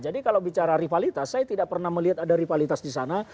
jadi kalau bicara rivalitas saya tidak pernah melihat ada rivalitas di sana